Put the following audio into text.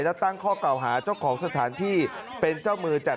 และตั้งข้อเก่าหาเจ้าของสถานที่เป็นเจ้ามือจัด